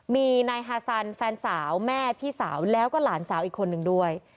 มีนายฮาซันแฟนสาวแม่พี่สาวแล้วก็หลานสาวอีกคนนึงด้วย